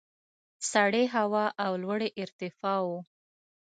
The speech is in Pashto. سړې هوا او لوړې ارتفاع وو.